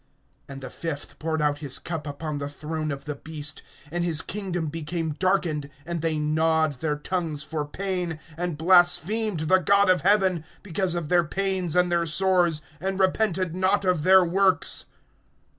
(10)And the fifth poured out his cup upon the throne of the beast; and his kingdom became darkened; and they gnawed their tongues for pain, (11)and blasphemed the God of heaven, because of their pains and their sores, and repented not of their works.